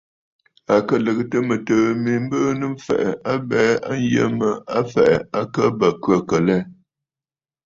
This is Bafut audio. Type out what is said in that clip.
À kɨ lɨ̀gɨtə̀ mɨtɨ̀ɨ̂ mi mbɨɨnə̀ m̀fɛ̀ʼɛ̀ abɛɛ a yə mə a fɛ̀ʼɛ akə bə khə̂kə̀ lɛ.